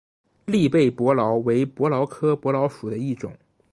栗背伯劳为伯劳科伯劳属的一种。